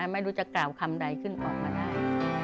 ไม่รู้จะกล่าวคำใดขึ้นออกมาได้